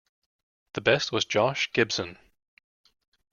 The best was Josh Gibson.